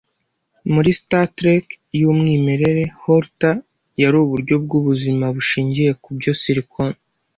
Muri Star Trek yumwimerere Horta yari uburyo bwubuzima bushingiye kubyo Silicon